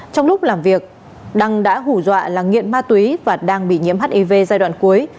trong lúc làm việc đăng đã hủ dọa là nghiện ma túy và đang bị nhiễm hiv giai đoạn cuối